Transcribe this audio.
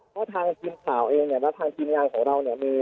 เพราะทางทีมข่าวเองเนี่ยแล้วทางทีมงานของเราเนี่ยมี